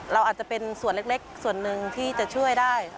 เราอาจจะเป็นส่วนเล็กส่วนหนึ่งที่จะช่วยได้